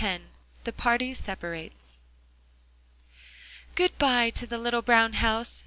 X THE PARTY SEPARATES "Good by to the little brown house!"